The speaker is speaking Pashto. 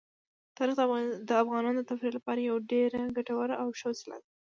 تاریخ د افغانانو د تفریح لپاره یوه ډېره ګټوره او ښه وسیله ده.